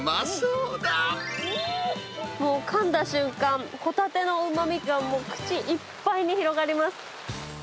もう、かんだ瞬間、ホタテのうまみがもう口いっぱいに広がります。